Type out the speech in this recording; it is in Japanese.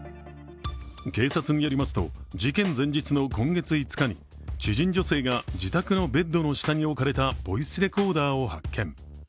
警察によりますと事件前日の今月５日に知人女性が自宅のベッドの下に置かれたボイスレコーダーを発見。